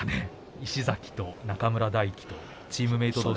石崎と中村泰輝チームメート同士。